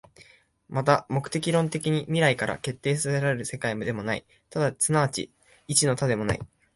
また目的論的に未来から決定せられる世界でもない、即ち一の多でもない。